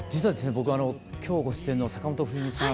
僕は今日ご出演の坂本冬美さん。